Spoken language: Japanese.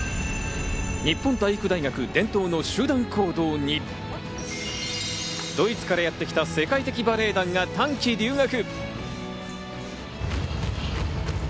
日本体育大学、伝統の集団行動にドイツからやってきた世界的バレエ団が短期留学。